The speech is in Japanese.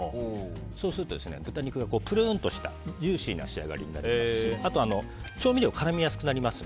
そうすると豚肉がプルンとしたジューシーな仕上がりになりますし調味料が絡みやすくなります